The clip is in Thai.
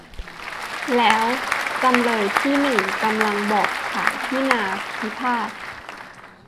แล้วจำเลยที่หนึ่ง กำลังบอกขายที่นาพิพาท